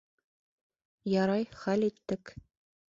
Ярай, хәл иттек.